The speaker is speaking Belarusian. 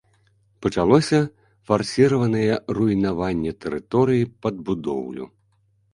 Пачалося фарсіраванае руйнаванне тэрыторыі пад будоўлю.